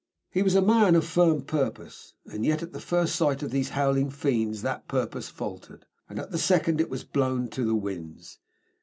He was a man of firm purpose, and yet at the first sight of those howling fiends that purpose faltered, and at the second it was blown to the winds.